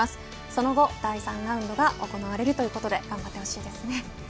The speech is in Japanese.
その後、第３ラウンドが行われるということで楽しみですね。